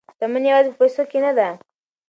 شتمني یوازې په پیسو کې نه ده.